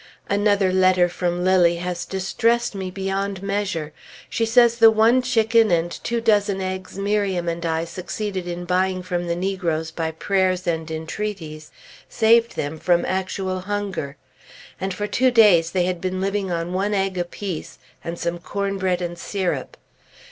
Another letter from Lilly has distressed me beyond measure. She says the one chicken and two dozen eggs Miriam and I succeeded in buying from the negroes by prayers and entreaties, saved them from actual hunger; and for two days they had been living on one egg apiece and some cornbread and syrup.